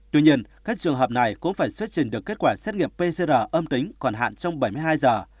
tuy nhiên các trường hợp này cũng phải xuất trình được kết quả xét nghiệm pcr âm tính còn hạn trong bảy mươi hai giờ